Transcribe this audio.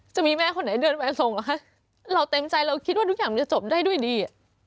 จะมีแม่คนไหนเดินมาส่งเราเต็มใจเราคิดว่าทุกอย่างมันจะจบได้ด้วยดี